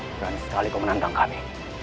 bukan sekali kau menantang kami